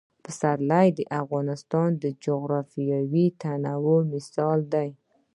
پسرلی د افغانستان د جغرافیوي تنوع مثال دی.